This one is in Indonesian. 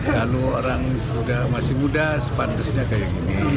kalau orang masih muda sepantasnya kayak gini